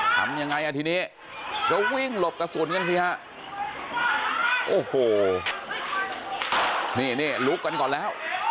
ทำยังไงอ่ะทีนี้ก็วิ่งหลบกระสุนกันสิฮะโอ้โหนี่นี่ลุกกันก่อนแล้ว